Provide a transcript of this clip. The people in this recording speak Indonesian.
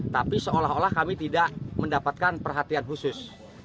tapi seolah olah kami tidak mendapatkan perhatian khusus